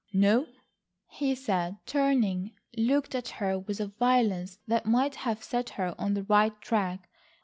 "No?" he said, and turning, looked at her with a violence that might have set her on the right track.